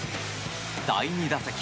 第２打席